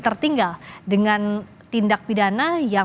tertinggal dengan tindak pidana yang